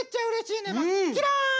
キラン！